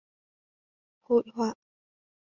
Hội họa